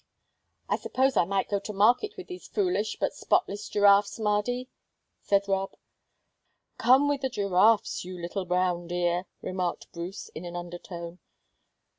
"I suppose I might go to market with these foolish but spotless giraffes, Mardy," said Rob. "Come with the giraffes, you little brown deer," remarked Bruce, in an undertone.